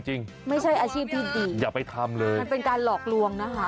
จริงไม่ใช่อาชีพที่ดีอย่าไปทำเลยมันเป็นการหลอกลวงนะคะ